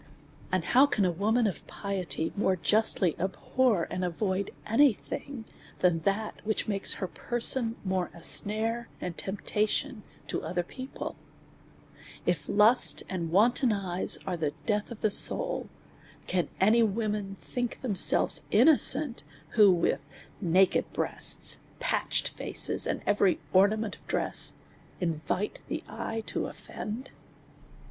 And how can a woman of piety more justly abhor and avoid any thing, than that which makes her per son more a snare and temptation to other people ? If DEVOUT AND HOLY LIFE. 267 lust and Avanton eyes are the death of the soul, can any women think themselves innocent, who, with na ked breasts, patched faces, and every ornament of dress, invite the eye to offend?